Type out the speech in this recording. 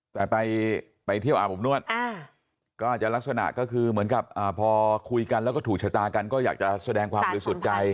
แต่ไปเที่ยวอาบอบนวดก็อาจจะลักษณะก็คือเหมือนกับพอคุยกันแล้วก็ถูกชะตากันก็อยากจะแสดงความบริสุทธิ์ใจ